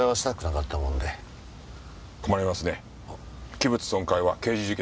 器物損壊は刑事事件です。